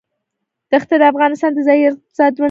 دښتې د افغانستان د ځایي اقتصادونو بنسټ دی.